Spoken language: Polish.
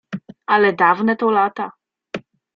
"Ale dawne to lata."